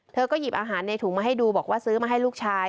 เธอก็หยิบอาหารในถุงมาให้ดูบอกว่าซื้อมาให้ลูกชาย